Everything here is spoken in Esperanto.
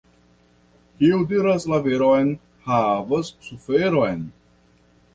Kiu diras la veron, havas suferon.